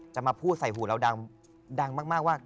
จะมาพูดใส่หูเราดังมากว่า